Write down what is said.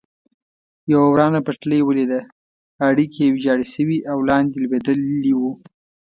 یوه ورانه پټلۍ ولیده، اړیکي یې ویجاړ شوي او لاندې لوېدلي و.